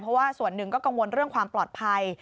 เพราะว่าส่วนหนึ่งก็กังวลเรื่องความปลอดภัย